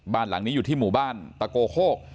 บ้านหลังนี้อยู่ที่หมู่บ้านตะโกโคก